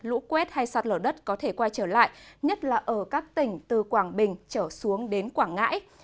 lũ quét hay sạt lở đất có thể quay trở lại nhất là ở các tỉnh từ quảng bình trở xuống đến quảng ngãi